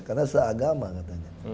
karena seagama katanya